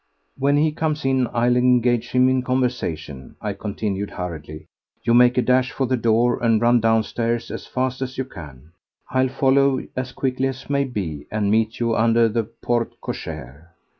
"When he comes in I'll engage him in conversation," I continued hurriedly. "You make a dash for the door and run downstairs as fast as you can. I'll follow as quickly as may be and meet you under the porte cochere."